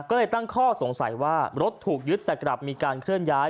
ก็เลยตั้งข้อสงสัยว่ารถถูกยึดแต่กลับมีการเคลื่อนย้าย